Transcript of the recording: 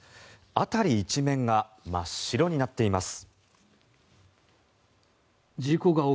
辺り一面が真っ白になっています。